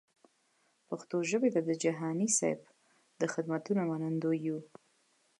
پښتو ژبې ته جهاني صېب د خدمتونو منندوی یو.